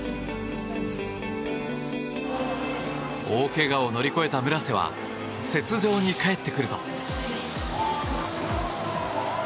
大けがを乗り越えた村瀬は雪上に帰ってくると。